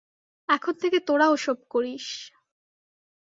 এখন থেকে তোরা ও-সব করিস।